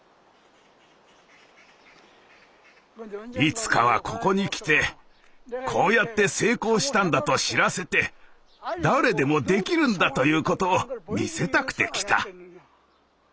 いつかはここに来てこうやって成功したんだと知らせて誰でもできるんだということを見せたくて来た。